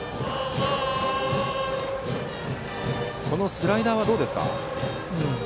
スライダーはどうですか。